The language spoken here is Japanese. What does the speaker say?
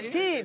Ｔ！